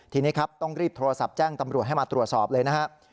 ทีนี้ครับต้องรีบโทรศัพท์แจ้งตำรวจให้มาตรวจสอบเลยนะครับ